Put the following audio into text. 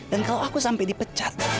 dan kalau aku sampai dipecat